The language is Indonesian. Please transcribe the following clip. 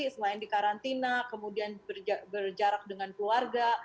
selain di karantina kemudian berjarak dengan keluarga